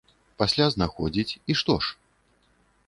Пасля знаходзiць - i што ж?!